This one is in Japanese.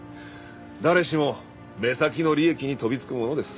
誰しも目先の利益に飛びつくものです。